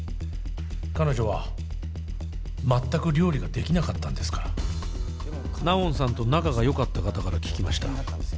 彼女はまったく料理ができなかったんですからナオンさんと仲がよかった方から聞きました